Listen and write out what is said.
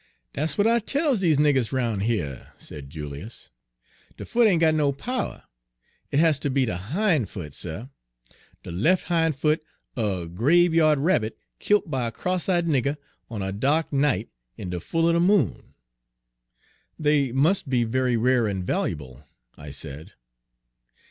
"Dat's w'at I tells dese niggers roun' heah," said Julius. "De fo' foot ain' got no power. It has ter be de hin' foot, suh, de lef' hin' foot er a grabeya'd rabbit, killt by a cross eyed nigger on a da'k night in de full er de moon." "They must be very rare and valuable," I said.